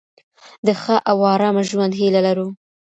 د ښه او آرامه ژوند هیله لرو.